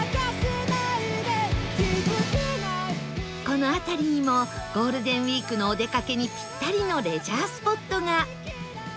この辺りにもゴールデンウィークのお出かけにぴったりのレジャースポットが